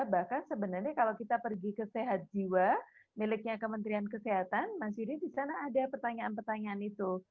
bahkan sebenarnya kalau kita pergi ke sehat jiwa miliknya kementerian kesehatan mas yudi di sana ada pertanyaan pertanyaan itu